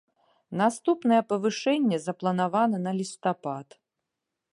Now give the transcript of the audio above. Наступнае павышэнне запланавана на лістапад.